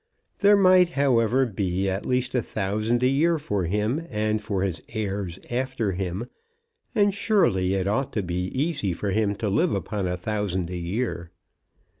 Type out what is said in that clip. There might, however, be at least a thousand a year for him and for his heirs after him, and surely it ought to be easy for him to live upon a thousand a year.